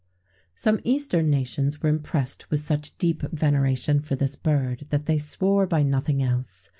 [XVII 55] Some eastern nations were impressed with such deep veneration for this bird that they swore by nothing else.